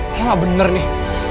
nggak bener nih